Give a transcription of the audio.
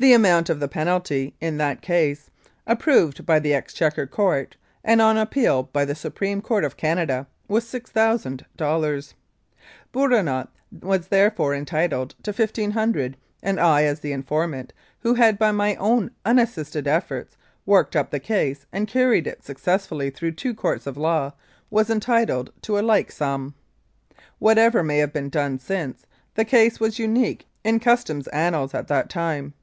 The amount of the penalty in that case, approved by the Exchequer Court, and, on appeal, by the Supreme Court of Canada, was six thousand dollars. Bourinot was therefore entitled to fifteen hun dred, and I, as the informant, who had by my own unassisted efforts worked up the case and carried it suc cessfully through two courts of law, was entitled to a like sum. Whatever may have been done since, the case was unique in Customs annals at that time.